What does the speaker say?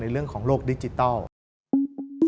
เรื่องของโลกดิจิทัล